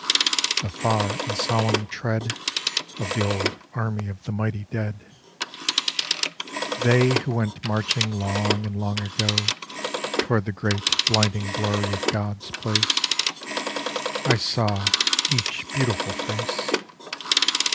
The far and solemn tread Of the old army of the mighty dead — They who went marching long and long ago Toward the great blinding glory of God's place. I saw each beautiful face.